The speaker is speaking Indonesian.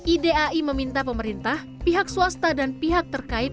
idai meminta pemerintah pihak swasta dan pihak terkait